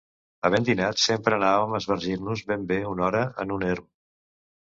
Havent dinat sempre anàvem a esbargir-nos ben bé una hora en un erm.